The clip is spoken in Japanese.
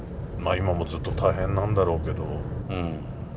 今もずっと大変なんだろうけど。